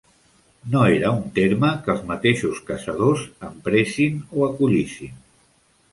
No era un terme que els mateixos caçadors empressin o acollissin.